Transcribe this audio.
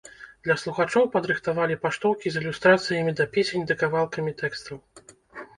Для слухачоў падрыхтавалі паштоўкі з ілюстрацыямі да песень ды кавалкамі тэкстаў.